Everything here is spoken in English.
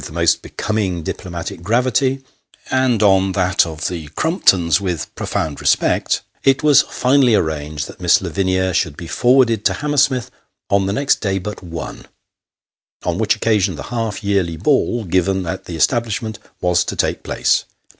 the most becoming diplomatic gravity, and on that of the Crumptons with profound respect, it was finally arranged that Miss Lavinia should be forwarded to Hammersmith on the next day but one, on which occasion the half yearly ball given at the establishment was to take place.